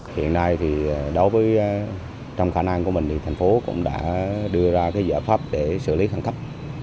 hiện nay thì đối với trong khả năng của mình thì thành phố cũng đã đưa ra cái giải pháp để xử lý khẩn cấp